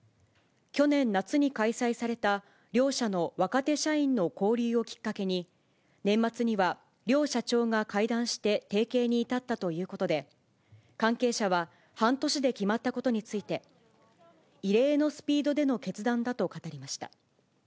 去年夏に開催された両社の若手社員の交流をきっかけに、年末には両社長が会談して提携に至ったということで、関係者は半年で決まったことについて、異例のスピードでの決断だと語りました。